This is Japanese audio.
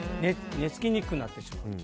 寝付きにくくなってしまう。